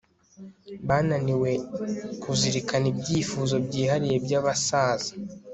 Bananiwe kuzirikana ibyifuzo byihariye byabasaza